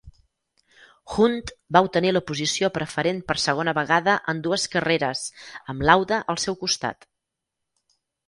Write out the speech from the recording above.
Hunt va obtenir la posició preferent per segona vegada en dues carreres, amb Lauda al seu costat.